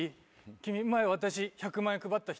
君前私１００万円配った人？